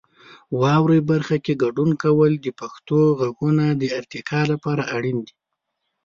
واورئ برخه کې ګډون کول د پښتو غږونو د ارتقا لپاره اړین دی.